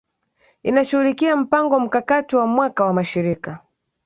inashughulikia mpango mkakati wa mwaka wa mashirika